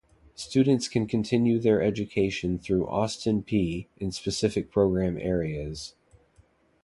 Students can continue their education through Austin Peay in specific program areas.